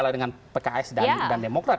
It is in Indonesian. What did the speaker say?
kalah dengan pks dan demokrat